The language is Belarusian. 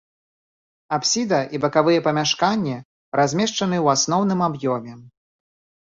Апсіда і бакавыя памяшканні размешчаны ў асноўным аб'ёме.